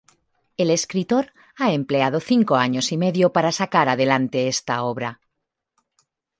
El escritor ha empleado cinco años y medio para sacar adelante esta obra.